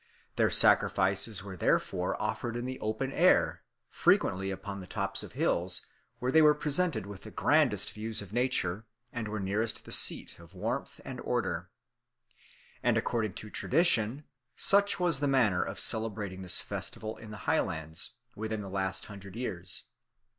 Their sacrifices were therefore offered in the open air, frequently upon the tops of hills, where they were presented with the grandest views of nature, and were nearest the seat of warmth and order. And, according to tradition, such was the manner of celebrating this festival in the Highlands within the last hundred years.